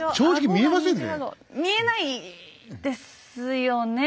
見えないですよね？